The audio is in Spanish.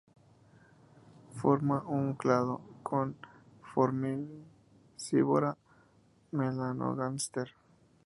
Forma un clado con "Formicivora melanogaster".